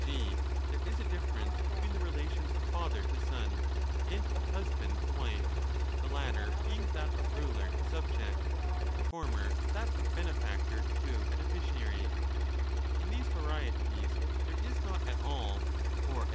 g. there is a difference between the relation of father to son, and of husband to wife, the latter being 25 that of ruler to subject, the former that of benefactor to beneficiary, [in these varieties there is not at all, or at